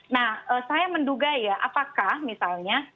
nah saya menduga ya apakah misalnya